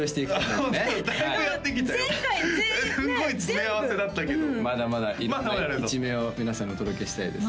前回ねえ全部すごい詰め合わせだったけどまだまだ色んな一面を皆さんにお届けしたいです